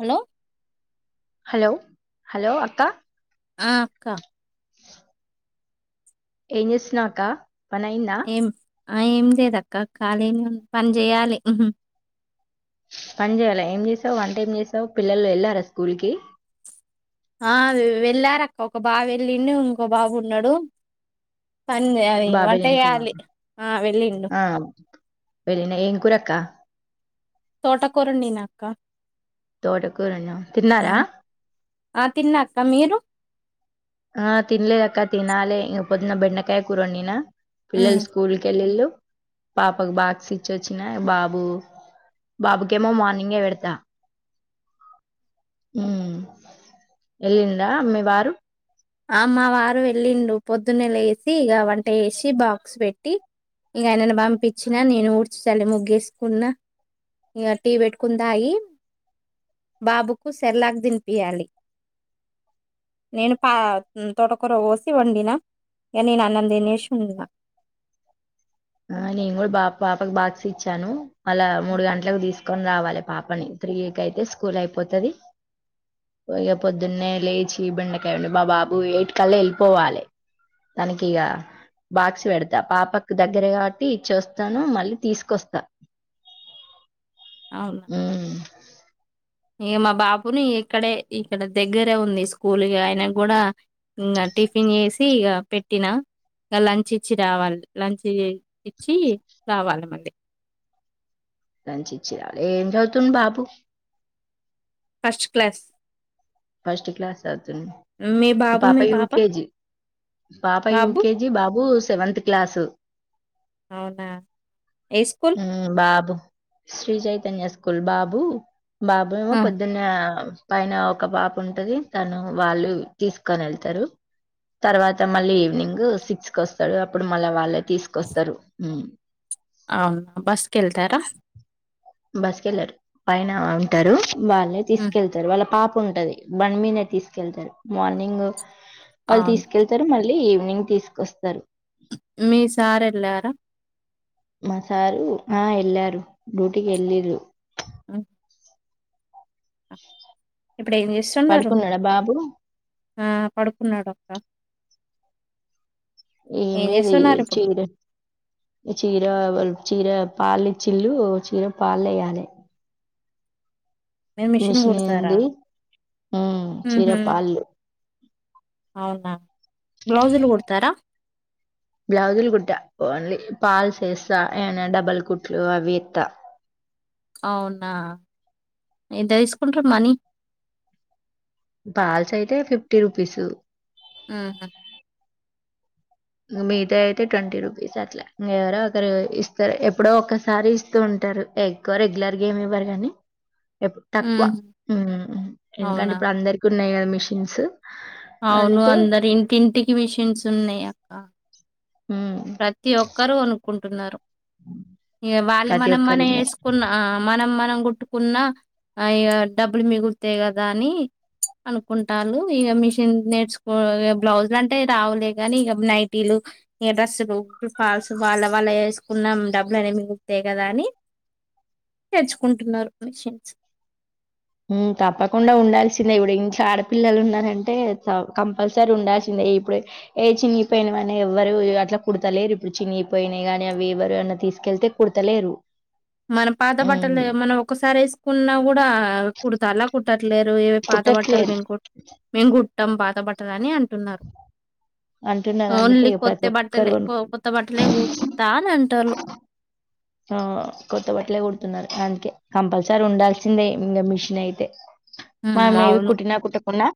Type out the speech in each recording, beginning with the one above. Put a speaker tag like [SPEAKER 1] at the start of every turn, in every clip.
[SPEAKER 1] Hello
[SPEAKER 2] hello hello అక్క
[SPEAKER 1] ఆ అక్క
[SPEAKER 2] ఏం చేస్తున్నావు అక్క పనైంద
[SPEAKER 1] ఏం ఆ ఏమి లేదక్క ఖాళీ నేను పని చేయాలి
[SPEAKER 2] పని చేయాల ఏం చేసావు వంట ఏం చేసావు పిల్లలు వెళ్ళారా స్కూల్ కి
[SPEAKER 1] ఆ వెళ్ళార అక్క ఒక బాబు వెళ్ళి ఇంకో బాబు ఉన్నాడు పని అది
[SPEAKER 2] బాబే
[SPEAKER 1] వంట
[SPEAKER 2] నేను కూడా
[SPEAKER 1] చేయాలి ఆ వెళ్ళిండు
[SPEAKER 2] ఆ వెళ్ళిన ఏం కురక్క
[SPEAKER 1] తోటకూర వండిన అక్క
[SPEAKER 2] తోటకూరను తిన్నారా
[SPEAKER 1] ఆ తిన్నాక్క మీరు
[SPEAKER 2] ఆ తన్లేద అక్క తినాలే ఇ పొద్దున్న బెండకాయ కూర వండిన. పిల్లలు స్కూల్ కి వెళ్లారు పాపకు బాక్స్ ఇచ్చిొచ్చినా బాబు బాబుకేమో మార్నింగే పెడతా వెళ్ళిందా మీ వారు
[SPEAKER 1] అమ్మ వారు వెళ్ళిండు పొద్దున్నెల వేసి ఇక వంట వేసి బాక్స్ పెట్టి ఇక ఆయనను పంపించిన నేను ఊడ్చ చాలలి ముగ్గేసుకున్నా ఇక టీ పెట్టుకుని తాగి బాబుకు సర్లాక్ తినిపియాలి నేను పా తోటకూర పోసి వండినా ఇ నేను అన్నంనేసి ఉందిిన
[SPEAKER 2] ఆ నేను కూడా బాబు పాపకు బాక్స్ ఇచ్చాను అలా మూడు గంటలకు తీసు తీసుకొని రావాలి పాపని త్రీ క అయితే స్కూల్ అయిపోతుది పోయ పొద్దున్నే లేచి బిండకాయ ఉండి బ బాబు ఎయిట్ కల్లా వెళ్ళిపోవాలి తనకిక బాక్స్ పెడతా పాపకు దగ్గర కాట్టి ఇచ్చ వస్తాను మళ్ళీ తీసుకొస్తా అ
[SPEAKER 1] ఇక మా బాబుని ఇక్కడే ఇక్కడ దగ్గరే ఉంది స్కూల్ ఆయన కూడా ఇంకా టిఫిన్ చేసి ఇక పెట్టినా ఇక లంచ్ ఇచ్చి రావాలి లంచ్ ఇచ్చి రావాలి మళ్ళీ
[SPEAKER 2] లంచ్ ఇచ్చి రావాలి ఏం చదువుతుంది బాబు
[SPEAKER 1] ఫస్ట్ క్లాస్
[SPEAKER 2] ఫస్ట్ క్లాస్ అవుతుంది
[SPEAKER 1] మీ బాబు
[SPEAKER 2] పాప
[SPEAKER 1] మీ
[SPEAKER 2] యూకేజీ పాప
[SPEAKER 1] బాబు
[SPEAKER 2] యూకేజీ బాబు సెవెంత్ క్లాస్
[SPEAKER 1] అవునా ఏ స్కూల్
[SPEAKER 2] హ్మ్ బాబు శ్రీ చైతన్య స్కూల్ బాబూ బాబూయేమో
[SPEAKER 1] ఆ
[SPEAKER 2] పొద్దున్న పైనాప్ ఒక పాప ఉంటది తను వాళ్ళు తీసుకొని వెళ్తారు తర్వాత మళ్ళీ ఈవినింగ్ సిక్స్ కొస్తాడు అప్పుడు మళ్ళా వాళ్ళే తీసుకొస్తారు
[SPEAKER 1] అవునా బస్కి వెళ్తారా
[SPEAKER 2] బస్కెళ్లరు పైన ఉంటారు వాళ్ళే తీసుకెళ్తారు వాళ్ళ పాప్ ఉంటది బన్ మీద తీసుకెళ్తారు మార్నింగ్ వాళ్ళు
[SPEAKER 1] అవును
[SPEAKER 2] తీసుకెళ్తారు మళ్ ల్లి ఈవినింగ్ తీసుకొస్తారు
[SPEAKER 1] మీ సార్ వెళ్లారా
[SPEAKER 2] మా సారు ఆ ఎల్లారు డ్యూటీకి ఎల్లిర్రు
[SPEAKER 1] మ్మ్ ఇప్పుడు ఏం చేస్తున్నారు
[SPEAKER 2] పడుకున్నాడా బాబు
[SPEAKER 1] ఆ పడుకున్నాడక్క
[SPEAKER 2] ఏం లేది
[SPEAKER 1] ఇప్పుడు
[SPEAKER 2] చీర చీరా వాల్ చీర పాలు చిల్లు చీర పాలు వేయాలి
[SPEAKER 1] మీరు
[SPEAKER 2] మిషన్
[SPEAKER 1] కుడతారా
[SPEAKER 2] ఉంది మ్మ్ చీర
[SPEAKER 1] ఉహు
[SPEAKER 2] పాళ్ళు
[SPEAKER 1] అవునా బ్లౌస్లు కుడతారా
[SPEAKER 2] బ్లౌజులు గుట్ట ఓన్లీ పాల్స్ ఏస్తా ఏమ డబల్ కుట్లు అవి ఏత్తా
[SPEAKER 1] అవునా ఎంత తీసుకుంట్రు మనీ
[SPEAKER 2] పాల్స్ అయితే ఫిఫ్టీ రుపీస్
[SPEAKER 1] మ్మ్ హ్మ్
[SPEAKER 2] మీతో అయితే ట్వంటీ రూపీస్ అట్లా ఇంక ఎవరో ఒకరు ఇస్తారు ఎప్పుడో ఒక్కసారి ఇస్తూ ఉంటారు ఎక్వ రెగ్యులర్గా ఏమి ఇవ్వరు కానీ ఎప్ తక్కువ
[SPEAKER 1] ఉహు
[SPEAKER 2] మ్మ్ ఎందుకంటే
[SPEAKER 1] అవునా
[SPEAKER 2] ఇప్పుడు అందరికి న్నాయి మిషిన్స్
[SPEAKER 1] అవును అందరు ఇంటింటికి విషన్స్ ఉన్నాయి అక్క
[SPEAKER 2] ఉమ్
[SPEAKER 1] ప్రతి ఒక్కరుూ కొనుక్కుంటు టున్నారు ఇగ వాళ్ళు
[SPEAKER 2] ప్రతి
[SPEAKER 1] మనం
[SPEAKER 2] ఒక్కరు
[SPEAKER 1] మనం
[SPEAKER 2] ఉన్నాయి
[SPEAKER 1] వేసుకున్న మనం మ మనం కుట్టుకున్న ఆ ఇగ డబ్బులు మిగులుతాయి కదా అని అనుకుంటాళ్లు ఇగ మిషన్ నేర్చుకో బ్లౌజ్లు అంటే రావులే కానీ ఇగ నైటీలు ఇగ డ్రెస్సులు లు ఫాల్స్ వాళ్ళ వాళ్ళ ఏస్ కున్నాం డబ్బులు అనే మిగుతాయి కదా అని తెచ్చుకుంటున్నారు మిషన్స్
[SPEAKER 2] మ్మ్ తప్పకుండా ఉండాల్సిందే ఇప్పుడు ఇంట్ల ఆడపిల్లలు ఉన్నారంటే కంపల్సరీ ఉంల్సిందే ఇప్పుడు ఏ చినిగిపోయినావని ఎవ్వరు అట్లా కుడతలేరు ఇప్పుడు చినిగిపోయినాయి గాని అవి ఎవరు అన్నా తీసుకెళ్తే కుడతలేరు
[SPEAKER 1] మన పాత బట్టలే
[SPEAKER 2] హ్మ్.
[SPEAKER 1] మనం ఒకసారి వేసుకున్నా కూడా కుడతాలా కు లేరు ఏవ పాత భట్టలు
[SPEAKER 2] కుట్టట్లేదు
[SPEAKER 1] కూ మేం కూడ బత బట్టదని అంటే న్నారు
[SPEAKER 2] అంటున్నారు. అందుకే
[SPEAKER 1] ఓన్లీ
[SPEAKER 2] ఇగ ప్రతి
[SPEAKER 1] కొత్త
[SPEAKER 2] ఒక్కరు
[SPEAKER 1] బట్టలే
[SPEAKER 2] గొను
[SPEAKER 1] కొత్త బట్టలే కుతా అని అంటారు
[SPEAKER 2] ఆ కొత్త పట్లే కొడుతున్నారు అందుకే కంపల్సరీ ఉండాల్సిందే ఇంకా మిషన్ అయితే
[SPEAKER 1] హ్మ్.
[SPEAKER 2] మామేవి
[SPEAKER 1] అవును.
[SPEAKER 2] కుటినా కుటకున్నా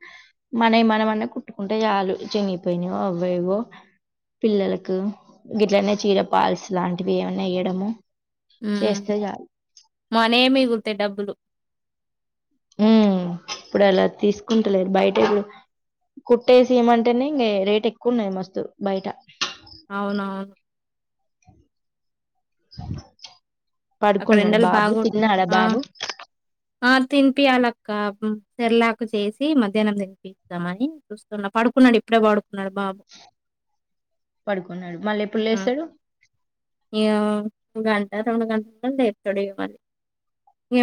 [SPEAKER 2] మనవి మనమన్నా కుట్టుకుంటే చాలు చినిగిపోయినావో అవోవో పిల్లలకు ఇట్లనే చీర పాల్స్ లాంటివి ఏమన్నా వయడము
[SPEAKER 1] మనే మిగులుతా డబ్బులు
[SPEAKER 2] ఉ ఇప్పుడు అలా తీసుకుంటలేదు బయటడు కుట్టేసి ఏయమంటేనే ఇంక రేట్ ఎక్కువన్నాయి మస్తు బయట
[SPEAKER 1] అవునవును
[SPEAKER 2] స
[SPEAKER 1] అక్కడ ఎండలు బాగడ ఆ
[SPEAKER 2] బాబు
[SPEAKER 1] ఆ తినిపియాల అక్క చెర్లాకు చేసి మధ్యాహ్నం దిరిపిస్తామని చూస్తున్నా పడుకున్నాడు ఇప్పుడే పాడుకున్నాడు బాబు
[SPEAKER 2] పడుకున్నాడు మళ్ళీ ఎప్పుడు లేస్తాడు
[SPEAKER 1] ఈ గంట రెండు గంటలంటేర్ తడు ఇమాలి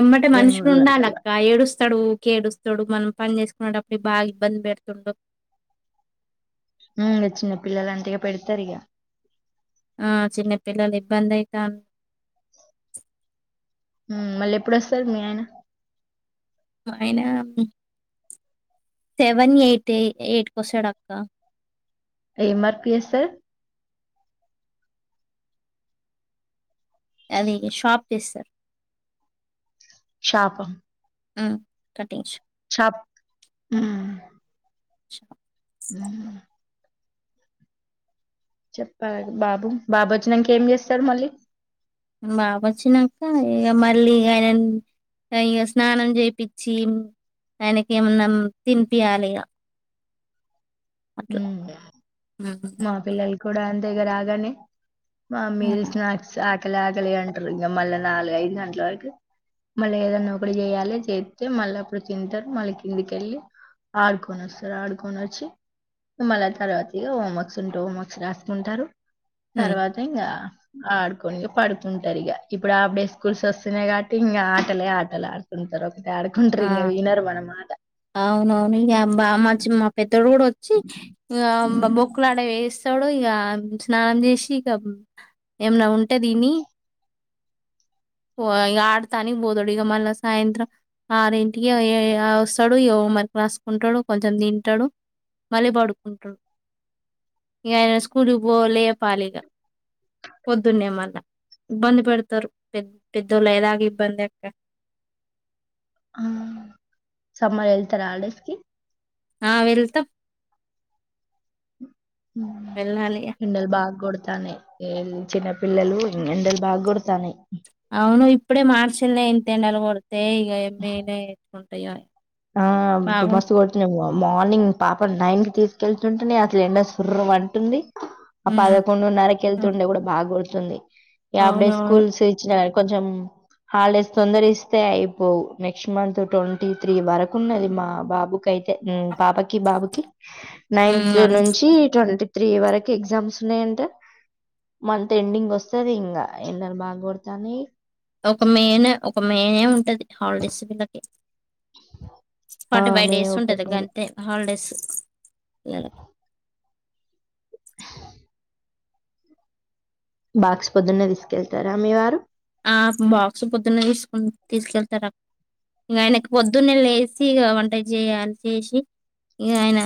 [SPEAKER 1] ఎమ్మటి
[SPEAKER 2] రెండు
[SPEAKER 1] మనుషులు
[SPEAKER 2] మూడు
[SPEAKER 1] ఉండాలి
[SPEAKER 2] గంటల
[SPEAKER 1] అక్క ఏడుస్తాడు కేడుస్తాడు మనం పని చేసుకునేటప్పుడు బాగా ఇబ్బంది పెడుతుడు
[SPEAKER 2] ఉ నచ్చింది పిల్లలు అంతగా పెడతారు ఇక
[SPEAKER 1] ఆ చిన్నపిల్లలు ఇబ్బందైతాండి
[SPEAKER 2] మళ్ళీ ఎప్పుడుొస్తారు మీ ఆయినా
[SPEAKER 1] మా ఆయన ఊ సెవెన్ ఎయిట్ ఎ ఎయిట్కి వస్తాడుక్క
[SPEAKER 2] ఏం వర్క్ చేస్తారు
[SPEAKER 1] అది షాప్ చేస్సార్
[SPEAKER 2] శాప
[SPEAKER 1] ఉ కటింగ్ షాప్
[SPEAKER 2] ఉ
[SPEAKER 1] షాప్.
[SPEAKER 2] ఉ చెప్పాలి బాబు బాబు వచ్చినాక ఏం చేస్తారు మళ్ళీ
[SPEAKER 1] బాబ వచ్చినాక ఇక మళ్ళీ ఆయన ఇక స్నానం చేపచ్చి ఆయనకి ఏమన్నా తినిపియాలి ఇక హ్మ్.
[SPEAKER 2] మా పిల్లలు కూడా అ దగ్గర ఆగానే మమ్మీ
[SPEAKER 1] ఆ!
[SPEAKER 2] స్నాక్స్ అ ఆకలికలి అంటారు ఇంక మళ్ళా నాలుగు ఐదు గంటల వరకు మళ్ళీ ఏదన్నా ఒకటి చేయాలి చేస్తే మళ్ళీ అప్పుడు తింటారు మళ్ళీ కిందికెళ్ళి ఆడుకొని వస్తారు ఆడుకొని వచ్చి మళ తరువాత ఇగ హోంవర్క్ ఉంటె హోంవర్క్ రాసుకుంటారు
[SPEAKER 1] హ్మ్.
[SPEAKER 2] తర్వాత ఇంకా ఆడుకోనిక పడుకుంటారు ఇక ఇప్పుడు ఆఫ్ డే స్కూల్స్ వస్తున్నాయి కాబట్టి ఇంకా ఆటలే ఆటలు ఆడుకుంటారు ద అడుకుంట్రీంగ
[SPEAKER 1] ఆ!
[SPEAKER 2] విన్నర్ మాన్న మాట.
[SPEAKER 1] అవునవును ఇగా బావ్ మా పెద్దోడు చ్చి ఇగ బొక్కులడ వేస్తడు. ఇగా స్నానం చేసి ఇగా ఏమన్నా ఉంటే దిని. ఓ ఇగ ఆడతాని బోధడు ఇగా మళ్ళ సాయంత్రం ఆరింటికి ఎ ఎ వస్ త్తడు ఇగ హోం వర్క్ రాసుకుంటాడు. కొంచెం తింటాడు. మళ్ళీ పడుకుంటాడు, ఇగా ఆయన స్కూల్కి పో లేపాలిగా. పొద్దున్నే మళ్ళ ఇబ్బంది పెడతారు పెద్దోళ్ళ అయ్యేదాకా ఇబ్బందే అక్క.
[SPEAKER 2] ఆ సమ్మర్ ఎళ్తారా. హాలిడేస్ కి
[SPEAKER 1] ఆహ్ వెళ్తాం
[SPEAKER 2] ఉహ్మ్
[SPEAKER 1] వెళ్ళాలి ఇగ
[SPEAKER 2] ఎండలు బాగోడ్ తన్నాయ్. ఏల్ చిన్న పిల్లలు ఎండలు బాగా కొడుతన్నాయి.
[SPEAKER 1] అవును ఇప్పుడే మార్చిల్నే ఇంత ఎండలు కోడ్ తే ఇక మే నెల ఎట్లూం ట్టయో.
[SPEAKER 2] ఆహ్ ఇప్పుడ్ మస్త్ కొతున్నాయి. ఉ మార్నింగ్ పాపన్ నైన్ కి తీసుకెళ్తుంటే అసలు ఎండ సుర్రు అంటుంది. పదకొంనరకెళ్తు
[SPEAKER 1] అవును.
[SPEAKER 2] ఉండే కూడా బాగోడ్ తుంది. ఈ ఆఫ్డే
[SPEAKER 1] అవునవును
[SPEAKER 2] స్కూల్స్ ఇచ్చిన కొంచెం హాలిడేస్ తొందరీస్తే అయిపోవు నెక్స్ట్ మంత్ ట్వంటీ త్రీ వరకు ఉన్నది. మా బాబుకిైతే పాపకి, బాబుకి
[SPEAKER 1] హ్మ్.
[SPEAKER 2] నైన్త్
[SPEAKER 1] అన్
[SPEAKER 2] నుంచి ట్వంటీ. త్రీ వరకు ఎగ్జామ్స్ ఉన్నాయంటే. మంత్ ఎండింగ్ వస్తది ఇంగా ఎండాలు బాగ కొడతానయి.
[SPEAKER 1] ఒక మేన్ ఒక మేనే ఉంటది. హల్డస్ విలకే
[SPEAKER 2] ఆ!
[SPEAKER 1] ఫార్టీ ఫైవ్
[SPEAKER 2] మే
[SPEAKER 1] డేస్
[SPEAKER 2] ఒకటో
[SPEAKER 1] ఉంటాది.
[SPEAKER 2] తారీ
[SPEAKER 1] గంతే హాలిడేస్ అ [unintelligible]
[SPEAKER 2] బాక్స్ పొద్దున్నే తీసుకెళ్తారా మీ వారు.
[SPEAKER 1] ఆహ్ బాక్స్ పొద్దున్నే తీసుకు తీసుకెళ్తారు. అక్ ఇంగా ఆయన పొద్దున్నే లేసి ఇగా వంట చేయాలి. చేసి ఇగా ఆయన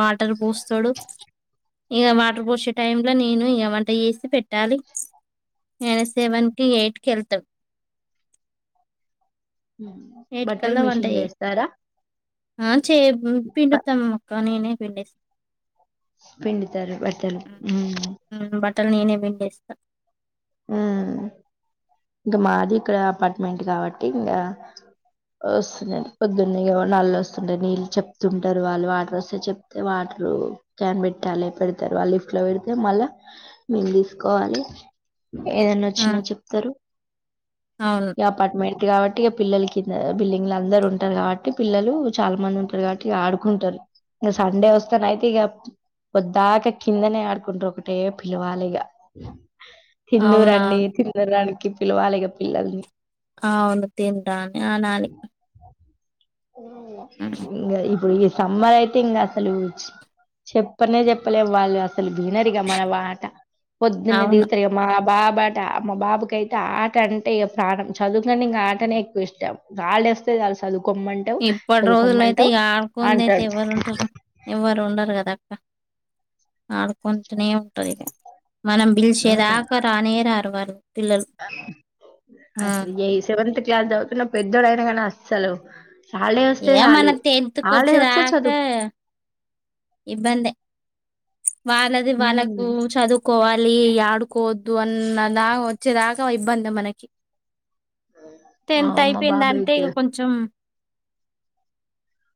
[SPEAKER 1] వాటర్ పోస్తాడు. ఇగా వాటర్ పోసే టైంలో నేను ఇగా వంట చేసి పెట్టాలి. ఇగ ఆయాన సేవన్ ఎయిట్ కేల్తడ్
[SPEAKER 2] హ్మ్.
[SPEAKER 1] ఎయిటి
[SPEAKER 2] బట్టలు
[SPEAKER 1] కల్లా
[SPEAKER 2] మిషన్‌లో
[SPEAKER 1] వంటయి.
[SPEAKER 2] ఏస్తారా?
[SPEAKER 1] ఆ చే పిండుతాం అక్క నేనే పిండేస్
[SPEAKER 2] పిండితారు బట్టలు ఉహ్మ్.
[SPEAKER 1] త్తం నేనే పంండేస్త.
[SPEAKER 2] ఉహ్! ఇంకా మాది ఇక్కడ అపార్ట్మెంట్ కాబట్టి ఇంగా వస్తునాయి. పొద్దున్న నల్ళు వస్తుంటయి, నీళ్ళు చెప్తుంటారు, వాళ్ళు వాటర్ వస్తే చెప్తే వాటర్ క్యాన్ పెట్టాలే పెడతారు. వాళ్ళు లిఫ్ట్ లో పెడితే మళ్ళా మిమ్ తీసుకోవాలి. ఏదన్నా
[SPEAKER 1] ఆ!
[SPEAKER 2] వచ్చినా చెప్తారు.
[SPEAKER 1] అవును.
[SPEAKER 2] అపాట్మెట్ది కాబట్టి ఇగా పిల్లలకి కింద బిల్డింగ్ల అందరు ఉంటరు కాబట్టి పిల్లలు చాలా మంది ఉంటరు కాబట్టి ఇగ ఆడుకుంటారు. ఇగ సండే వస్తేనయితే ఇగ పొద్దాక కిందనే ఆడుకుంటారు. ఒకటే పిలవాలె ఇగ తిందుర్ రండి
[SPEAKER 1] అవునవును.
[SPEAKER 2] తినడానికి పిలవాలే ఇగ పిల్లల్నీ
[SPEAKER 1] ఆ అవును తింటా అని అనాలి. హ్మ్.
[SPEAKER 2] ఇగ ఇప్పుడు ఈ సమ్మర్ అయితే ఇంకా అసలు చెప్పనే చెప్పలే వాళ్ళు అసల్కి వినరిగా మన వాట పొద్దున్నే
[SPEAKER 1] అవును
[SPEAKER 2] దిగుతారిగ ఆ బాబా అట మా బాబుకయితే ఆట అంటే ఇగ ప్రాణం చదువుకన్న ఇంకా ఆటనే ఎక్కువ ఇష్టం. హాలిడే వస్తె చాలు చదువు
[SPEAKER 1] ఇప్పటి రోజులయితే ఇగ ఆడుకోంది అయితే
[SPEAKER 2] అంటడు
[SPEAKER 1] ఎవ్వరు ఉంటరు ఎవ్వరు ఉండరు కదా ఆడుకుంటనే ఉంటది ఇగ మనం బిల్చే దాకా రానే రాలు వాళ్ళు పిల్లలు ఆ
[SPEAKER 2] అసల్ ఎయి సెవెంత్ ఇగ చదువుతున్న పెద్దోడయినా కానీ అస్సలు హాలిడే వస్తే
[SPEAKER 1] ఏ
[SPEAKER 2] చాలు
[SPEAKER 1] మనకు టెన్త్
[SPEAKER 2] హాలిడే వస్తే చదువు
[SPEAKER 1] కొచ్చేదాకా ఇబ్బందే వాళ్ళది వాళ్ళకు చదువుకోవా లీ ఆడుకోవద్దు అన్నదా వచ్చే దాకా ఇబ్బందే మనకి
[SPEAKER 2] మా
[SPEAKER 1] టెన్త్
[SPEAKER 2] మా బాబు
[SPEAKER 1] అయిపోయిందంటే
[SPEAKER 2] అయితే
[SPEAKER 1] ఇగ కొంచం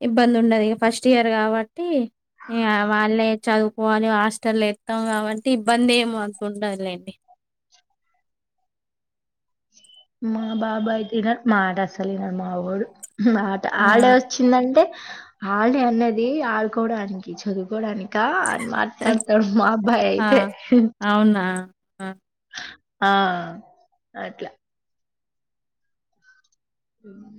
[SPEAKER 1] ఇబ్బందుండదిగా ఇగ ఫస్ట్ ఇయర్ కాబ టీ ఇగ వాళ్ళే చదువుకోవాలి హాస్టల ఎస్తాం కాబట్టి ఇబ్బంది ఏం అంత ఉండదు లేండి.
[SPEAKER 2] మా బాబయితే ఇగ మాట అసల్ వినడు మా వోడు ఆటా
[SPEAKER 1] ఆ
[SPEAKER 2] హాలిడే వచ్చిందంటే హాలిడే అన్నది ఆడుకోవడానికి చదువుకోవడాని కా అని మాట్లాడతడు మా అబ్బాయి
[SPEAKER 1] ఆ
[SPEAKER 2] అయితే
[SPEAKER 1] అవునా ఆ
[SPEAKER 2] ఆ అట్లా అట్లా